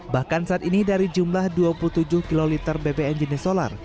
bahkan saat ini dari jumlah dua puluh tujuh kiloliter bbm jenis solar